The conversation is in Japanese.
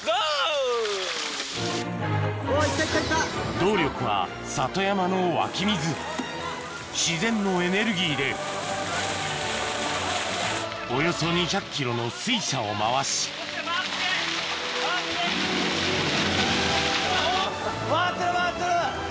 動力は自然のエネルギーでおよそ２００ｋｇの水車を回し・回して回して・回ってる回ってる！